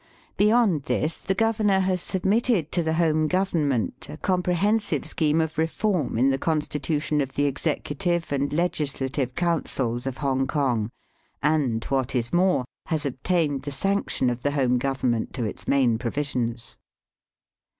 Beyond this, the governor has submitted to the Home Government a comprehensive scheme of reform in the constitution of the executive and legislative councils of Hongkong, and, what is more, has obtained the sanction of the Home Government to its main provisions.